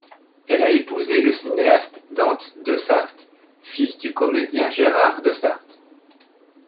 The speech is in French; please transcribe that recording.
Elle a épousé le cinéaste Dante Desarthe, fils du comédien Gérard Desarthe.